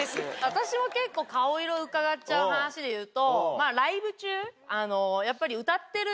私も結構顔色うかがっちゃう話でいうと。